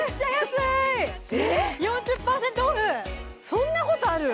そんなことある？